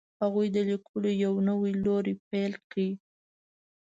هغوی د لیکلو یو نوی لوری پیل کړ.